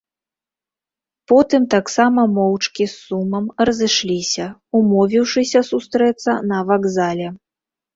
Потым таксама моўчкі з сумам разышліся, умовіўшыся сустрэцца на вакзале.